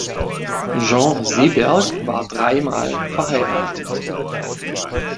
Jean Seberg war dreimal verheiratet.